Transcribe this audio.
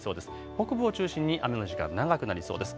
北部を中心に雨の時間長くなりそうです。